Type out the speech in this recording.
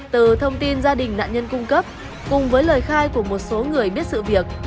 từ thông tin gia đình nạn nhân cung cấp cùng với lời khai của một số người biết sự việc